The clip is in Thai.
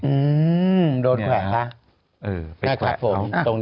อืมโดนแขวนนะนะครับผมตรงนี้